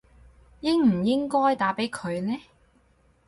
應唔應該打畀佢呢